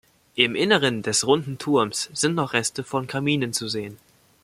Im Inneren des runden Turms sind noch Reste von Kaminen zu sehen.